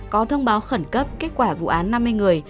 có thông báo khẩn cấp kết quả vụ án năm mươi người